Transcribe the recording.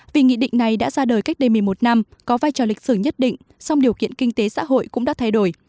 vì nghị định này đã ra đời cách đây một mươi một năm có vai trò lịch sử nhất định song điều kiện kinh tế xã hội cũng đã thay đổi